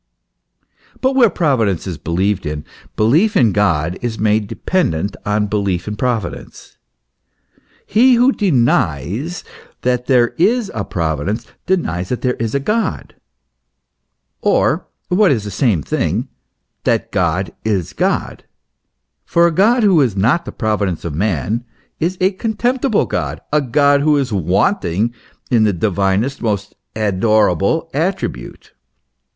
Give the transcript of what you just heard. But where Providence is believed in, belief in God is made dependent on belief in Providence. He who denies that there is a Providence, denies that there is a God, or what is the same thing that God is God ; for a God who is not the Providence of man, is a contemptible God, a God who is wanting in the divinest, most adorable attribute.